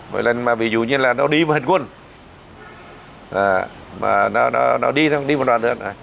với lần mà ví dụ như là nó đi vào hệt quân nó đi vào đoàn đoàn